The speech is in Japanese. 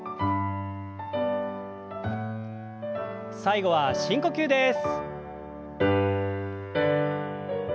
最後は深呼吸です。